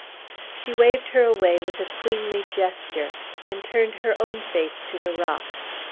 She waved her away with a queenly gesture, and turned her own face to the rock.